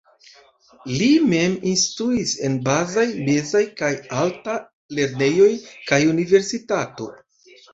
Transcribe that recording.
Li mem instruis en bazaj, mezaj kaj alta lernejoj kaj universitato.